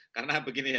karena begini ya